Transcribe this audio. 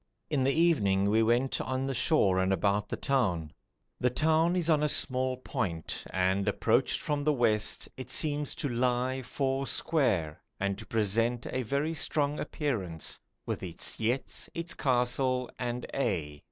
In the evening we went on the shore and about the town. The town is on a small point and approached from the west it seems to 'lie four square' and to present a very strong appearance, 'with its yetts, its castle, and a'.'